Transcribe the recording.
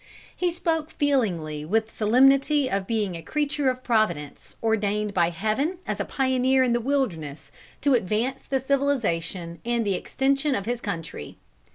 He spoke feelingly and with solemnity of being a creature of Providence, ordained by heaven as a pioneer in the wilderness to advance the civilization and the extension of his country.